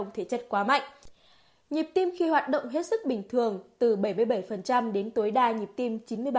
nhịp tim khi hoạt động hết sức bình thường từ bảy mươi bảy đến tối đa nhịp tim chín mươi bảy